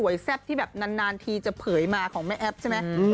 แซ่บที่แบบนานทีจะเผยมาของแม่แอ๊บใช่ไหม